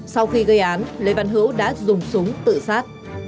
sau khi gây án lê văn hữu đã dùng súng tự sát